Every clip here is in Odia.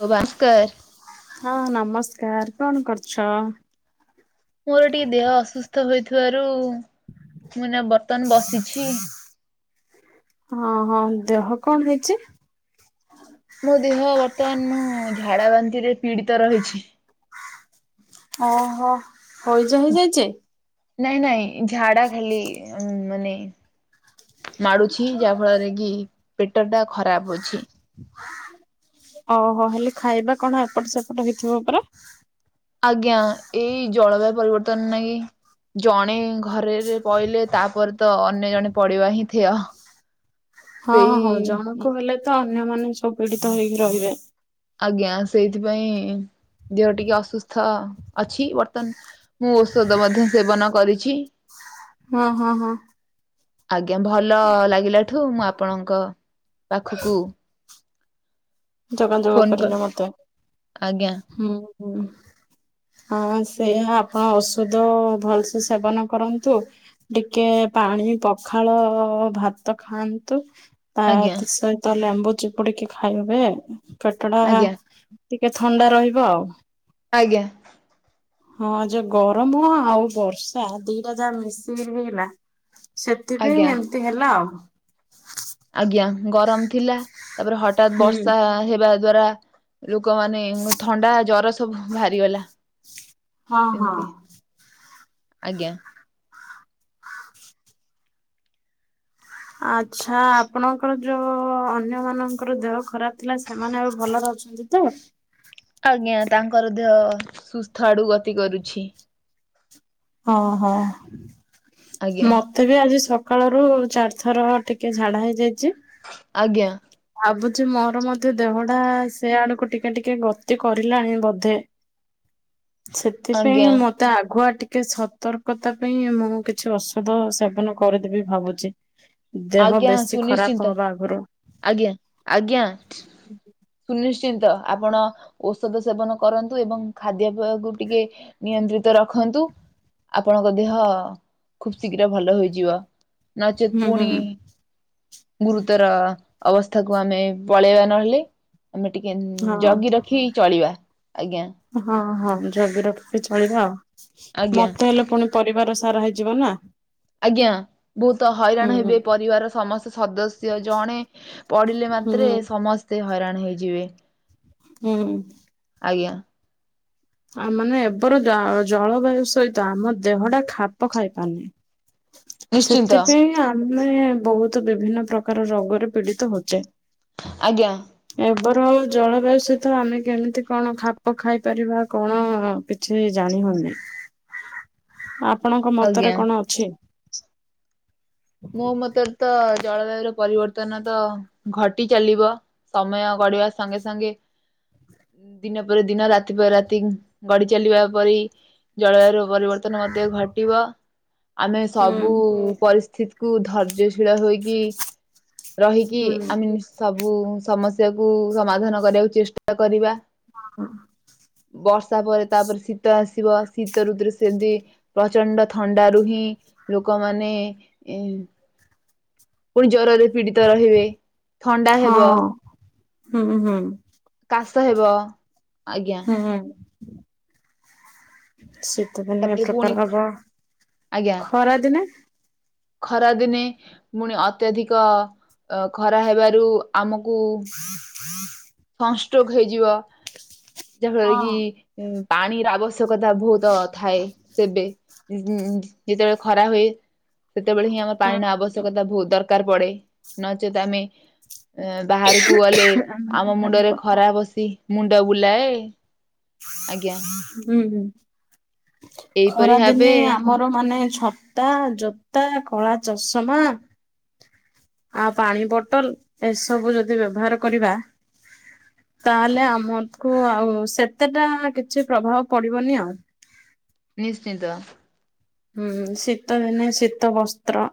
କଇବ ଆସ୍କେ ହଁ ନମସ୍କାର୍ କଣ କରୁଛ? ମୋର ଟିକେ ଦେହ ଅସୁସ୍ଥ ହୋଇଥିବାରୁ ମୁଁ ନା ବର୍ତ୍ତମାନ ବସିଛି। ହଁ ହଁ ଦେହ କଣ ହେଇଚି? ମୋ ଦେହ ବର୍ତ୍ତମାନ ମୁଁ ଝାଡ଼ା ବାନ୍ତିରେ ପୀଡ଼ିତ ରହିଛି। ଓ ହୋ। ହଇଜା ହେଇଯାଇଚି? ନାଇଁ ନାଇଁ ଝାଡା ଖାଲି ମାନେ ମାଡୁଛି ଯାହା ଫଳରେ କି ପେଟ ଟା ଖରାପ ଅଛି। ଓହୋ। ହେଲେ ଖାଇବା କଣ ଏପଟ ସେପଟ ହେଇଥିବ ପରା। ଆଜ୍ଞା। ଏଇ ଜଳବାୟୁ ପରିବର୍ତ୍ତନ ନେଇ ଜଣେ ଘରେରେ ପଇଲେ ତାପରେ ତ ଅନ୍ୟ ଜଣେ ପଡିବା ହିଁ ଥେୟ। ହଁ ସେଇ ହଁ ଜଣକୁ ହେଲେ ତ ଅନ୍ୟମାନେ ସବୁ ପୀଡିତ ହେଇକି ରହିବେ। ଆଜ୍ଞା। ସେଇଥିପାଇଁ ଦେହ ଟିକେ ଅସୁସ୍ଥ ଅଛି। ବର୍ତ୍ତମାନ ମୁଁ ଔଷଧ ମଧ୍ୟ ସେବନ କରିଛି। ହଁ ହଁ ହଁ। ଆଜ୍ଞା ଭଲ ଲାଗିଲାଠୁ ମୁଁ ଆପଣଙ୍କ ପାଖୁକୁ ଯୋଗାଯୋଗ ଫୋନ କ କରିଲେ ମତେ। ଆଜ୍ଞା ହଁ ସେଇଆ ଆପଣ ଔଷଧ ଭଲସେ ସେବନ କରନ୍ତୁ। ଟିକେ ପାଣି ପଖାଳ ଭାତ ଖାଆନ୍ତୁ। ତା ଆଜ୍ଞା ସହିତ ଲେମ୍ବୁ ଚିପୁଡିକି ଖାଇବେ। ପେଟଟା ଆଜ୍ଞା ଟିକେ ଥଣ୍ଡା ରହିବ ଆଉ। ଆଜ୍ଞା। ହଁ ଯୋଉ ଗରମ ଆଉ ବର୍ଷା ଦିଟାଯାକ ମିଶିକିରି ହେଇଗଲା ଆଜ୍ଞା ସେଥିପାଇଁ ଏମିତି ହେଲା। ଆଜ୍ଞା। ଗରମ ଥିଲା ତା ପରେ ହଠାତ୍ ହୁଁ। ବର୍ଷା ହେବା ଦ୍ଵାରା ଲୋକମାନେ ଥଣ୍ଡା ଜର ସବୁ ବାହାରିଗଲା ହଁ ହଁ। ଏମିତି। ଆଜ୍ଞା। ଆଚ୍ଛା। ଆପଣଙ୍କର ଯୋଉ ଅନ୍ୟମାନଙ୍କର ଦେହ ଖରାପ ଥିଲା ସେମାନେ ଏବେ ଭଲରେ ଅଛନ୍ତି ତି। ଆଜ୍ଞା ତାଙ୍କର ଦେହ ସୁସ୍ଥ ଆଡୁ ଗତି କରୁଛି। ହଁ ହଁ। ଆଜ୍ଞା ମ ମତେ ବି ଆଜି ସକାଳରୁ ଚାରିଥର ଟିକିଏ ଝାଡ଼ା ହେଇଯାଇଚି। ଆଜ୍ଞା। ଭାବୁଚି ମୋର ମଧ୍ୟେ ଦେହଟା ସିଆଡକୁ ଟିକେ ଟିକେ ଗତି କରିଲାଣି ବୋଧେ। ସେଥିପାଇଁ ଆଜ୍ଞା ମ ମତେ ଆଘୁଆ ଟିକେ ସତର୍କତା ପାଇଁ ମୁଁ କିଛି ଔଷଧ ସେବନ କରିଦେବି ଭାବୁଚି। ଆଜ୍ଞା ସୁନିଶ୍ଚିନ୍ତ। ଆଗୁରୁ ଆଜ୍ଞା। ଆଜ୍ଞା। ସୁନିଶ୍ ଶ୍ଚିନ୍ତ। ଆପଣ ଔଷଧ ସେବନ କରନ୍ତୁ ଏବଂ ଖାଦ୍ୟପେୟକୁ ଟିକେ ନିୟନ୍ତ୍ରିତ ରଖନ୍ତୁ ଆପଣଙ୍କ ଦେହ ଖୁବ ଶୀଘ୍ର ଭଲ ହେଇଯିବ। ନଚେତ୍ ହୁଁ ହୁଁ ପୁଣି ଗୁରୁତର ଅବସ୍ଥାକୁ ଆମେ ପଳେଇବା ନ ହେଲେ। ଆମେ ଟିକେ ହଁ। ଜଗି ର ଖି ଚଳିବା। ଆଜ୍ଞା। ହଁ ହଁ ଜଗି ରଖିକି ଚଳିବା ଆଜ୍ଞା ଆଉ। ପରିବାର ସାରା ହେଇଯିବ ନା। ଆଜ୍ଞା। ବହୁତ ହୁଁ ହଇରାଣ ହେବେ ପରିବାର ସମସ୍ତ ସଦସ୍ୟ। ଜଣେ ପଢିଲେ ହୁଁ ମାତ୍ରେ ସମସ୍ତେ ହଇରାଣ ହେଇଯିବେ। ହୁଁ। ଆଜ୍ଞା। ଆଉ ମାନେ ଏବେର ଜ-ଜଳବାୟୁ ସହିତ ଆମ ଦେହଟା ଖାପ ଖାଇପାରୁନି। ନିଶ୍ଚିନ୍ତ ସେଥିପାଇଁ ଆ ଆମେ ବହୁତ ବିଭିନ୍ନ ପ୍ରକାର ରୋଗରେ ପୀଡିତ ହଉଚେ। ଆଜ୍ଞା। ଏବେର ଆଉ ଜଳବାୟୁ ସହିତ ଆମେ କେମ୍ତି କଣ ଖାପ ଖାଇପାରିବା। କଣ କିଛି ଜାଣି ହଉନି। ଆପଣଙ୍କ ଆଜ୍ଞା। ମତରେ କଣ ଅଛି? ମୋ ମତରେ ତ ଜଳବୟୁର ପରିବର୍ତ୍ତନ ତ ଘଟି ଚାଲିବ। ସମୟ ଗଡିବା ସଙ୍ଗେ-ସଙ୍ଗେ ଦିନ ପରେ ଦିନ ରାତି ପରେ ରାତି ଗଡି ଚାଲିବା ପରି ଜଳବାୟୁର ପରିବର୍ତ୍ତନ ମଧ୍ୟ ଘଟିବ। ଆମେ ହୁଁ ସବୁ ପରିସ୍ଥିତିକୁୁ ଧୈର୍ଯ୍ୟଶୀଳ ହୋଇକି ରହିକି ହୁଁ ଆମେ ମିଶି ସବୁ ସମସ୍ୟାକୁ ସମାଧାନ କରିଆକୁ ଚେଷ୍ଟା କରିବା। ହଁ-ହଁ। ବର୍ଷା ପରେ ତାପରେ ଶୀତ ଆସିବ ଶୀତ ଋତୁରେ [unintelligible] ପ୍ରଚଣ୍ଡ ଥଣ୍ଡାରୁୁ ହିଁ ଲୋକମାନେ ଏଁ ପୁଣି ଜ୍ୱରରେ ପୀଡିତ ରହିବେ ଥଣ୍ଡା ହେବ। ହୁଁ-ହୁଁ। କାଶ ହେବ। ହୁଁ ଶୀତ ଦିନ ଏ ତାପରେ ପୁଣି ପ୍ରକାର ହବ। ଖରା ଦିନେ ପୁଣି ଅତ୍ୟଧିକ ଅ ଖରା ହେବାରୁ ଆମକୁ [inaudible] ସଂଷ୍ଟ୍ରୋକ୍ ହେଇଯିବ, ଯାହା ଫଳରେ ହଁ। କି ପାଣିର ଆବ ଶ୍ୟକତା ବହୁତ ଥାଏ ସେବେ, ଉଁ-ଉଁ ଯେତେବେଳେ ଖରା ହୁଏ ସେତେବେଳେ ହିଁ ଆମ ହୁଁ ପାଣିର ଆବଶ୍ୟକତା ବହୁତ୍ ଦରକାର୍ ପଡେ, ନଚେତ୍ ଆମେ ଏଁ ବାହାରକୁ ଗଲେ ଆମେ ବି ଆମ ସବୁ ମୁଣ୍ଡରେ କଥା ଖରା ବସି ମୁଣ୍ଡ ବୁଲାଏ। ଆଜ୍ଞା ହୁଁ-ହୁଁ ଏହିପରି ଭାବେ ଖରାଦିନେ ଆମ ର ମାନେ ଛତା, ଜୋତା, କଳା ଚଷମା ଆଉ ପାଣି ବଟଲ୍ ଏସବୁ ଯଦି ବ୍ୟବହାର କରିବା ତାହେଲେ ଆମକୁୁ ଆଉ ସେତେଟା [unintelligible] କିଛି ପ୍ରଭାବ ପଡିବନି ଆଉ। ନିଶ୍ଚିନ୍ତ। ହୁଁ ଶୀତଦିନେ ଶୀତ ବସ୍ତ୍ର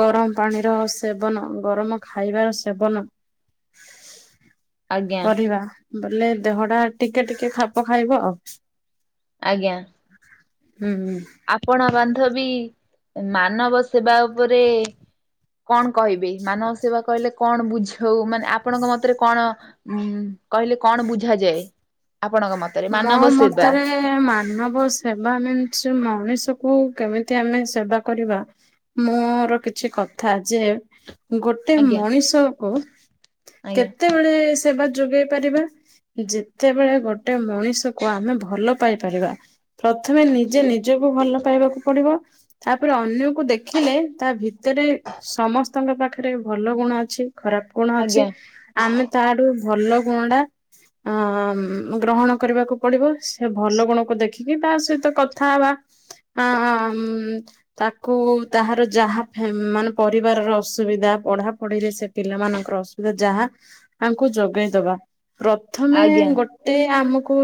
ଗରମ୍ ପାଣିର ସେବନ, ଗରମ ଖାଇବାର ସେବନ [inaudible] କରିବା ବୋଲେ ଦେହଟା ଟିକେ-ଟିକେ ଖାପ ଖାଇବ ଆଉ। ଆଜ୍ଞା। ହୁଁ-ହୁଁ। ଆପଣ ବାନ୍ଧବୀ ମାନବ ସେବା ଉପରେ କଣ କହିବି ମାନବ ସେବା କହିଲେ କଣ ବୁଝଉ ମାନେ ଆପଣଙ୍କ ମତରେ କଣ ଉୁଁ କହିଲେ କଣ ବୁଝାଯାଏ ଆପଣଙ୍କ ମ ମୋ ମତରେ ମାନବ ସେବା ମିନ୍ସ ମଣିଷକୁ କେମିତି ଆମେ ସେବା କରିବା ମୋର କିଛି କଥା ଯେ ଗୋଟେ ଆଜ୍ଞା ମଣିଷକୁ କେତେ ବେଳେ ସେବା ଯୋଗେଇ ପାରିବା, ଯେତେବେଳେ ଗୋ ଟେ ମଣିଷକୁ ଆମେ ଭଲ ପାଇପାରିବା। ପ୍ରଥମେ ନିଜେ ନିଜକୁ ଭଲ ପାଇବାକୁ ପଡିବ। ତାପରେ ଅନ୍ୟକୁ ଦେଖିଲେ ତା ଭିତେରେ ସମସ୍ତଙ୍କ ପାଖରେ ଭଲ ଗୁଣ ଅଛି ଖରାପ କଣ ଅଛି ଆଜ୍ଞା ଆମେ ତାଠୁ ଭଲ ଗୁଣ ଟା ଅମ୍ ଗ୍ରହଣ କରିବାକୁ ପଡିବ ସେ ଭଲ ଗୁଣକୁ ଦେଖିକି ତା ସହିତ କଥା ହେବା। ହଁ ହ ମ୍। ତାକୁ ତାହାର ଯାହା ଫେ ମାନେ ପରିବାରର ଅସୁବିଧା ପଢାପଢିରେ ସେ ପିଲାମାନଙ୍କର ଅସୁବିଧା ଯାହା ତାଙ୍କୁ ଯୋଗେଇଦବା। ପ୍ରଥମେ ଆଜ୍ଞା ଗୋଟେ ଏତେ ଆମକୁ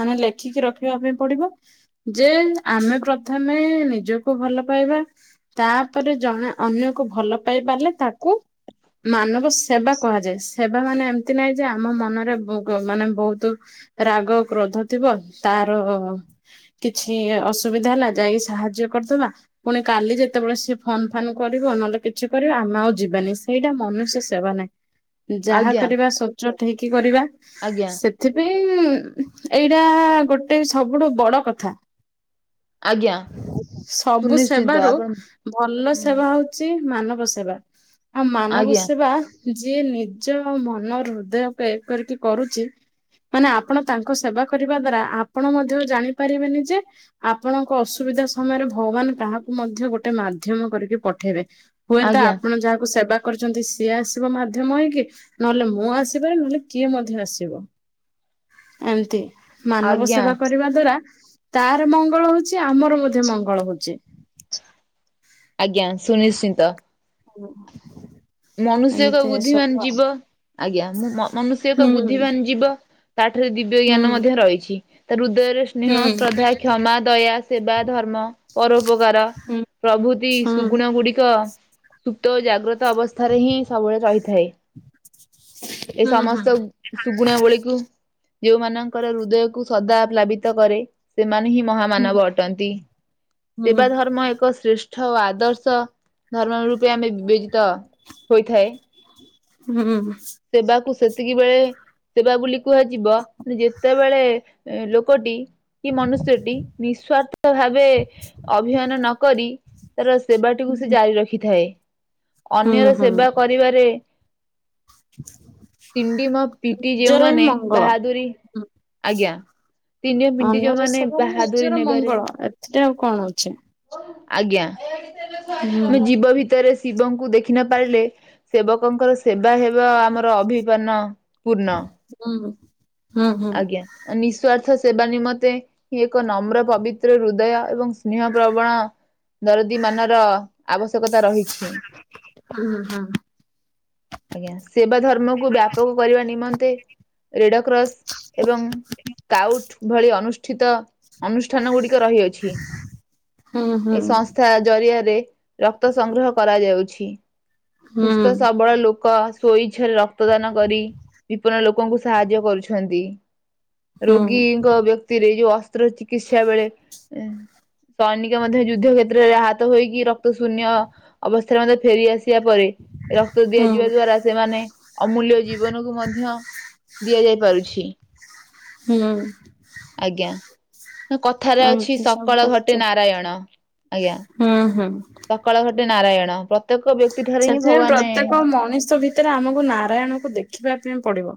ମାନେ ଲେଖିକି ରଖିବା ପାଇଁ ପଡିବ। ଯେ ଆମେ ପ୍ରଥମେ ନିଜକୁ ଭଲ ପାଇବା। ତାପରେ ଜଣେ ଅନ୍ୟକୁ ଭଲ ପାଇ ପାରିଲେ ତାକୁ ମାନବ ସେବା କୁହାଯାଏ ସେବା ମାନେ ଏମତି ନାଇ ଯେ ଆମ ମନରେ [unintelligible] ବହୁତ ରାଗ କ୍ରୋଧ ଥିବ ତାର କିଛି ଅସୁବିଧା ହେଲା ଯାଇକି ସାହାଯ୍ୟ କରିଦବା। ପୁଣି କାଲି ଯେତେବେଳେ ସିଏ ଫନ ଫାନ୍ କରିବ ନହେଲେ କିଛି କରିବ ଆମେ ଆଉ ଯିବାନି ସେଇଟା ମନୁଷ୍ୟ ସେବା ନାଇଁ ଆଜ୍ଞା ଯାହା ଆଜ୍ଞା କରିବା ସଚ ଠଇକି କରିବା। ଆଜ୍ଞା। ସେଥିପାଇଁ ଏଇଟା ଗୋଟେ ସବୁଠୁ ବଡ କଥା। ଆଜ୍ଞା ସବୁ ସୁନିଶ୍ଚିନ୍ତ ସେବାରୁ ଆପଣ ଭଲ ହୁଁ ସେବା ହଉ ଛି ମାନବ ସେବା ଆଉ ମାନବ ଆଜ୍ଞା ସେବା ଯିଏ ନିଜ ମନରୁ ହୃଦୟ [unintelligible] କରିକି କରୁଛି ମାନେ ଆପଣ ତାଙ୍କୁ ସେବା କରିବା ଦ୍ଵାରା ଆପଣ ମଧ୍ୟ ଜାଣିପାରିବେନି ଯେ ଆପଣଙ୍କ ଅସୁବିଧା ସମୟରେ ଭଗବାନ କାହାକୁ ମଧ୍ୟ ଗୋଟେ ମାଧ୍ୟମ କରିକି ପଠେଇବେ। ହୁଏତ ଆଜ୍ଞା ଆପଣ ଯାହାକୁ ସେବା କରିଛନ୍ତି ସିଏ ଆସିବ ମାଧ୍ୟମ ହେଇକି ନହେଲେ ମୁଁ ଆସିବାରେ ନହେଲେ କିଏ ମଧ୍ୟ ଆସିବ। ଏମତି ମାନବ ଆଜ୍ଞା ସେବା କରିବା ଦ୍ଵାରା ତାର ମଙ୍ଗଳ ହଉଛି ଆମର ମଧ୍ୟ ମଙ୍ଗଳ ହଉଛି। ଆଜ୍ଞା ସୁନିଶ୍ଚିନ୍ତ। [inaudible] ମନୁଷ୍ୟକ ଏମିତି ବୁଦ୍ଧିମାନ୍ ସବୁ ଆଉ ଯିବ ଆଜ୍ଞା ମ୍ ମନୁଷ୍ୟକ ହୁଁ ବୁଦ୍ଧି ମାନ ଯିବ। ତାଠରେ ଦିବ୍ୟ ଜ୍ଞାନ ହୁଁ। ମଧ୍ୟ ରହିଛି ତା ହୃଦୟରୁ ହୁଁ ସ୍ନେହ ଶ୍ରଦ୍ଧା କ୍ଷମା ଦୟା ସେବା ଧର୍ମ ପରୋପକାର। ହୁଁ ପ୍ରଭୃତି ସୁଗୁଣ ଗୁଡିକ ସୁପ୍ତ ଓ ଜାଗ୍ରତ ଅବସ୍ଥାରେ ହିଁ ସବୁବେଳେ ରହିଥାଏ ଏ ହୁଁ ହୁଁ ସମସ୍ତ ସୁଗୁଣାବଳୀକୁ ଯୋଉଁମାନଙ୍କର ହୃଦୟକୁ ସଦା ପ୍ଲାବିତ କରେ ସେମାନେ ହିଁ ମହା ମାନବ ଅଟନ୍ତି ହୁଁ। ସେବା ଧର୍ମ ଏକ ଶ୍ରେଷ୍ ଠ ଆଦର୍ଶ ଧର୍ମ ରୂପେ ଆମେ ବିବେଚିତ ହୋଇଥାଏ ହୁଁ ସେବାକୁ ସେତିକି ବେଳେ ସେବା ବୋଲି କୁହାଯିବ ଯେତେବେଳେ ଏ ଲୋକଟି କି ମନୁଷ୍ୟଟି ନିଃସ୍ଵାର୍ଥ ଭାବେ ଅଭିହନ ନକରି ତାର ସେବାଟିକୁ ସେ ଜାରି ରଖିଥାଏ ଅନ୍ୟର ହୁଁ ସେବା କରିବାରେ [inaudible] ପିଣ୍ଡି ମ ପିଟି ନିଜର ହିଁ ଯେଉଁମାନେ ମଙ୍ଗଳ। ବାହାଦୁରୀ ଆଜ୍ଞା ତିଣ୍ଡିମ ପିଣ୍ଡି ଯୋଉମାନେ ଅରସନରେ ବାହାଦୁରୀ ନିଜର ନେବାରେ ମଙ୍ଗଳ ଏଥିରେ ଆଉ କଣ ଅଛି ଆଜ୍ଞା ହୁଁ ମୁଁ ଯିବ ଭିତରେ ଶିବଙ୍କୁ ଦେଖିିନ ପାରିଲେ ସେବକଙ୍କର ସେବା ହେବା ଆମର ଅଭିପନ ପୂର୍ଣ୍ଣ ହୁଁ ହୁଁ ହୁଁ ଆଜ୍ଞା ନିଃସ୍ଵାର୍ଥ ସେବା ନିମନ୍ତେ ହି ଏକ ନମ୍ର ପବିତ୍ର ହୃଦୟ ଏବଂ ସ୍ନେହ ପ୍ରବଣ ଦରଦୀ ମାନର ଆବଶ୍ୟକତା ରହିଛି। ହଁ ହଁ ଆଜ୍ଞା ସେବା ଧର୍ମକୁ ବ୍ୟାପକ କରିବା ନିମନ୍ତେ ରେଡ କ୍ରସ୍ ଏବଂ କାଉଟ୍ ଭଳି ଅନୁଷ୍ଠିତ ଅନୁଷ୍ଠାନ ଗୁଡିକ ରହିଅଛି। ଛି ହୁଁ ହୁଁ ଏ ସଂସ୍ଥା ଜରିଆରେ ରକ୍ତ ସଂଗ୍ରହ କରାଯାଉଛି। ସୁସ୍ଥ ହୁଁ। ସବଳ ଲୋକ ଲ ସ୍ୱଇଛା ରେ ରକ୍ତଦାନ କରି ବିପନ୍ନ ଲୋକଙ୍କୁ ସାହାଯ୍ୟ କରୁଛନ୍ତି। ହୁଁ ରୋଗୀଙ୍କ ବ୍ୟକ୍ତିରେ ଯୋଉ ଅସ୍ତ୍ର ଚିକିତ୍ସା ବେଳେ ସୈନିକ ମଧ୍ୟ ଯୁଦ୍ଧ କ୍ଷେତ୍ରରେ ଆହତ ହୋଇକି ରକ୍ତ ଶୂନ୍ୟ ଅବସ୍ଥାରେ ମଧ୍ୟ ଫେରିଆସି ପରେ ରକ୍ତ ଦିଆଯ ଯିବା ହୁଁ ଦ୍ଵାରା ସେମାନେ ଅମୂଲ୍ୟ ଜୀବନକୁ ମଧ୍ୟ ଦିଆଯାଇ ପାରୁଛି। ହୁଁ ଆଜ୍ଞା ନା କଥାରେ ଅଛି ଏମିତି ସବୁ ସକାଳ ଘଟେ ରହୁଛି ନାରାୟଣ ଆଜ୍ଞା। ହୁଁ ହୁଁ ସକାଳ ଘଟେ ନାରାୟଣ ପ୍ର ସେଥିରେ ପ୍ରତ୍ୟେକ ମଣିଷ ଭିତ ସେଥିରେ ଆମକୁ ନାରାୟଣକୁ ଦେଖିବା ପାଇଁ ପଡିବ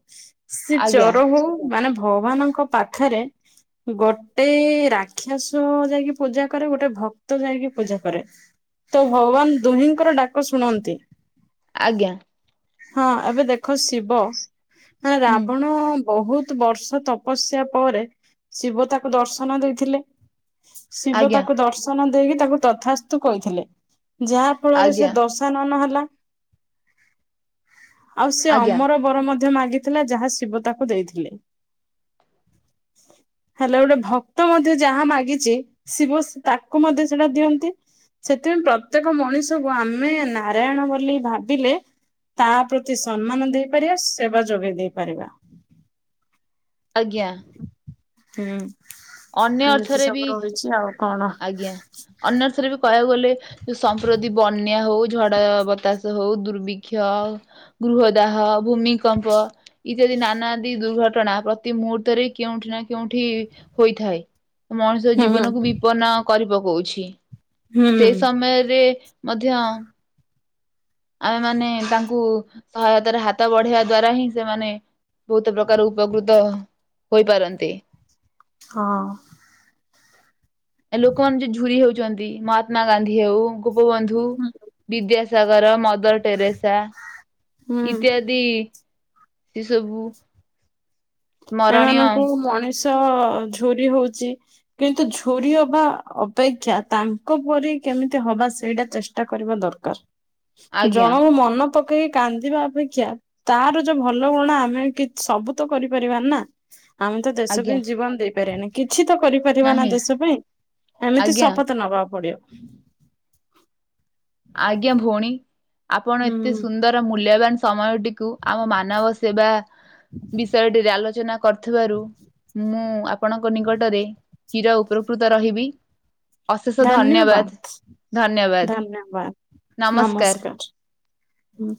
ସେ ଆଜ୍ଞା ଚର ହଉ ମାନେ ଭଗବାନଙ୍କ ପାଖରେ ଗୋଟେ ରାକ୍ଷସ ଯାଇକି ପୂଜା କରେ, ଗୋଟେ ଭକ୍ତ ଯାଇକି ପୂଜା କରେ। ତ ଭଗବାନ ଦୁହିଁଙ୍କର ଡାକ ଶୁଣନ୍ତି। ଆଜ୍ଞା। ହଁ ଏବେ ଦେଖ ଶିବ ନା ହୁଁ ରାବଣ ବହୁତ୍ ବର୍ଷ ତପସ୍ୟା ପରେ ଶିବ ତାକୁ ଦର୍ଶନ ଦେଇଥିଲେ। ଶିବ ଆଜ୍ଞା ତାକୁ ଦର୍ଶନ ଦେଇକି ତାକୁ ତଥାସ୍ତୁ କହିଥିଲେ ଯାହା ଫଳରେ ସେ ଆଜ୍ଞା। ଦଶାନନ ହେଲା ଆଉ ସେ ଆଜ୍ଞା ଅମର ବର ମଧ୍ୟ ମାଗିଥିଲା ଯାହା ଶିବ ତାକୁ ଦେଇଥିଲେ। [inaudible] ହେଲେ ଗୋଟେ ଭକ୍ତ ମଧ୍ୟ ଯାହା ମାଗିଛି ଶିବ ତାକୁ ମଧ୍ୟ ସେଟା ଦିଅନ୍ତି। ସେଥିପାଇଁ ପ୍ରତ୍ୟେକ ମଣିଷକୁ ଆମେ ନାରାୟଣ ବୋଲି ଭାବିଲେ ତା ପ୍ରତି ସମ୍ମାନ ଦେଇପାରିବା ସେବା ଯୋଗେଇ ଦେଇ ପାରିବା। ଆଜ୍ଞା। ହୁଁ ଅନ୍ୟ ଏମିତି ଅର୍ଥରେ ସବୁ ରହିଛି ଆଉ କଣ? ଅନ୍ୟସରେ ବି କହିବାକୁ ଗଲେ ସମ୍ପ୍ରତି ବନ୍ୟା ହଉ ଝଡ ବତାସ ହଉ ଦୁର୍ବିକ୍ଷ ଗୃହଦାହ ଭୂମିକମ୍ପ ଇତ୍ୟାଦି ନାନା ଆଦି ଦୁର୍ଘଟଣା ପ୍ରତି ମୁହୂର୍ତ୍ତରେ କେଉଠି ନା କେଉଁଠି ହୋଇଥାଏ ମଣିଷ ଜୀବନକୁ ହୁଁ ବିପନ୍ନ କରି ପକଉଛି। ସେ ହୁଁ। ସମୟରେ ମଧ୍ୟ ଆମେମାନେ ତାଙ୍କୁ ସହାୟତାରେ ହାତ ବଢେଇବା ଦ୍ଵାରା ହିଁ ସେମାନେ ବହୁତ ପ୍ରକାର ଉପକୃତ ହୋଇପାରନ୍ତି। ହଁ ଏ ଲୋ କନ ଯେ ଝୁରି ହଉଛୁ। ଚନ୍ତି ମହାତ୍ମା ଗାନ୍ଧୀ ହେଉ ଗୋପବନ୍ଧୁ, ବିଦ୍ୟାସାଗର ମଦର ଟେରେସା ହୁଁ ଇତ୍ୟାଦି ସେ ସବୁ ସ୍ମରଣୀୟ ଏମାନଙ୍କୁ ମଣିଷ ଝୁରି ହଉଛି। କିନ୍ତୁ ଝୁରି ହବା ଅପେକ୍ଷା ତାଙ୍କ ପରି କେମିତି ହବା ସେଇଟା ଚେଷ୍ଟ ଟା କରିବା ଦରକାର ଆଜ୍ଞା ଜଣଙ୍କ ମନ ପକେଇକି କାନ୍ଦିବା ଅପେକ୍ଷା ତାର ଯୋଉ ଭଲ ଗୁଣ ଆମେ କିଛି ସବୁ ତ କରିପାର ରିବାନା ଆମେ ତ ଦେଶ ଆଜ୍ଞା ପାଇଁ ଜୀବନ ଦେଇପାରିବାନି। କିଛି ତ କରିପାରିବା ନା ନାହିଁ ଦେଶ ପାଇଁ ଏମିତି ଆଜ୍ଞା ଶପଥ ନବାକୁ ପଡିବ। ଆଜ୍ଞା ଭଉଣୀ ଆପଣ ଏତେ ହୁଁ ସୁନ୍ଦର ର ମୂଲ୍ୟବାନ ସମୟଟିକୁ ଆମ ମାନବ ସେବା ବିଷୟଟିରେ ଆଲୋଚନା କରିଥିବାରୁ ମୁଁ ଆପଣଙ୍କ ନିକଟରେ କ୍ଷୀର ଉପକୃତ ରହିବି ଅଶେଷ ଧନ୍ୟବାଦ ଧନ୍ୟବାଦ। ଧନ୍ୟବାଦ ନମସ୍କାର ହୁଁ।